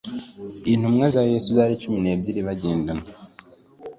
intumwa za yesu zari cumi n’ebyiri bagendanaga